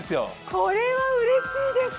これはうれしいです。